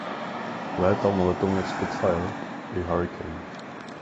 Létal na letounech Spitfire i Hurricane.